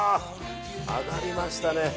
揚がりましたね。